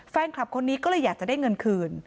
แฟนคลับคนนี้ก็เลยอยากจะได้เงินคืน